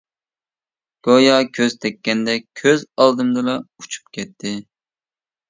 گويا كۆز تەگكەندەك كۆز ئالدىمدىلا ئۇچۇپ كەتتى.